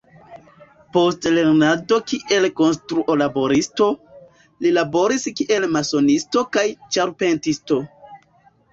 Post lernado kiel konstruo-laboristo, li laboris kiel masonisto kaj ĉarpentisto.